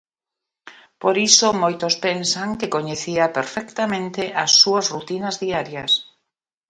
Por iso moitos pensan que coñecía perfectamente as súas rutinas diarias.